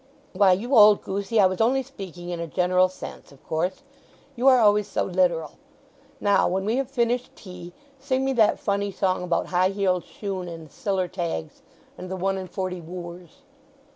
"Why—you old goosey—I was only speaking in a general sense, of course! You are always so literal. Now when we have finished tea, sing me that funny song about high heeled shoon and siller tags, and the one and forty wooers."